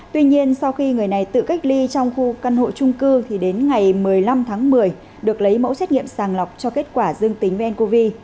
tuy nhiên sau khi người này tự cách ly trong khu căn hộ trung cư thì đến ngày một mươi năm tháng một mươi được lấy mẫu xét nghiệm sàng lọc cho kết quả dương tính với ncov